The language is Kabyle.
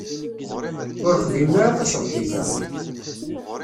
Ur xdimen ara taṣebḥit-a.